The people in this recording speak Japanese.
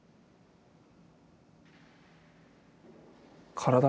体？